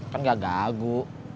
kan gak gagu